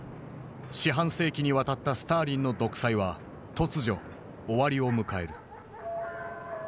四半世紀にわたったスターリンの独裁は突如終わりを迎える。